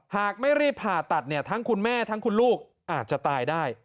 หากไม่รีบผ่าตัดเนี่ยทั้งคุณแม่ทั้งคุณลูกอาจจะตายได้